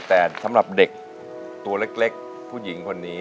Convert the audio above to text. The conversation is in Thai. แต่สำหรับเด็กตัวเล็กผู้หญิงคนนี้